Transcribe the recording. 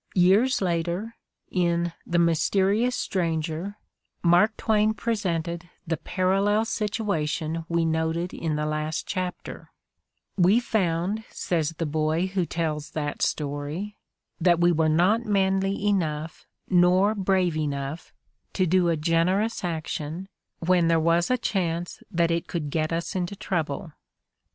Years later, in "The Mysterious Stranger, '' Mark Twain presented the parallel situation we noted in the last chapter: "we foimd," says the boy who tells that story, "that we were not manly enough nor brave enough to do a generous action when there was a chance that it could get us into trouble."